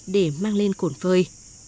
để mang lên cổn phơi